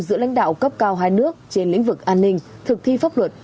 giữa lãnh đạo cấp cao hai nước trên lĩnh vực an ninh thực thi pháp luật